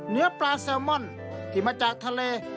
เนื้อปลาแซลมอนที่มาจากทะเล